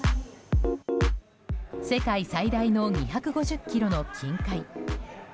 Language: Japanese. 世界最大の２５０ｋｇの金塊。